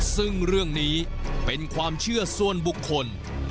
ซึ่งเรื่องนี้เป็นความเชื่อส่วนบุคคล